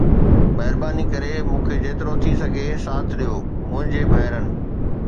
مهرباني ڪري مون کي جيترو ٿي سگهي ساٿ ڏيو منهنجي ڀائرن